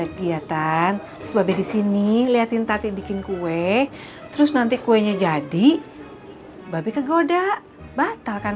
kegiatan sebab disini liatin tadi bikin kue terus nanti kuenya jadi babi kegoda batalkan